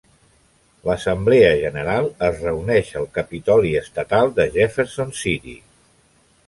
L'Assemblea General es reuneix al Capitoli Estatal de Jefferson City.